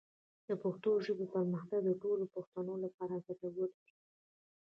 د پښتو ژبې پرمختګ د ټولو پښتنو لپاره ګټور دی.